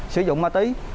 sử dụng ma tí